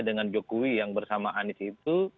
dengan jokowi yang bersama anies itu